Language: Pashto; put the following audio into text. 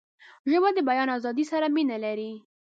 ژبه د بیان آزادۍ سره مینه لري